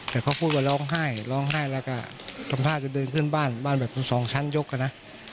แต่เขาพูดว่าร้องไห้ร้องไห้แล้วก็ทำท่าจะเดินเพื่อนบ้านบ้านแบบทั้งสองชั้นยกอะนะ